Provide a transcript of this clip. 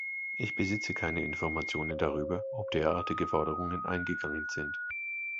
Ich besitze keine Informationen darüber, ob derartige Forderungen eingegangen sind.